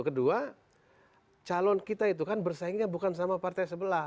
kedua calon kita itu kan bersaingnya bukan sama partai sebelah